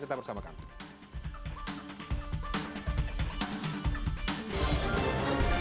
sampai bersama kami